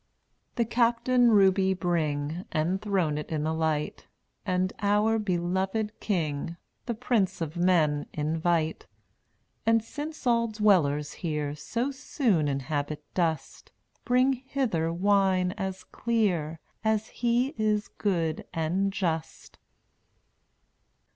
0un<j 225 The Captain Ruby bring &}n%/\r And throne it in the light, no And our beloved king, \J+l' The prince of men, invite; And since all dwellers here So soon inhabit dust, Bring hither wine as clear As he is good and just.